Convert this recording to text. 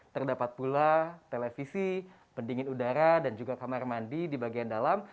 terdapat pula televisi pendingin udara dan juga kamar mandi di bagian dalam